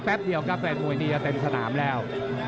แป๊บเดียวก็แฟนมวยนี้จะเต็มสนามแล้ว